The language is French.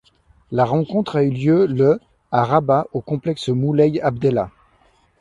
La rencontre a eu lieu le à Rabat au complexe Moulay Abdellah.